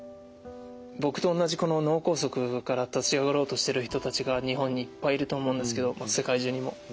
僕とおんなじこの脳梗塞から立ち上がろうとしてる人たちが日本にいっぱいいると思うんですけど世界中にも。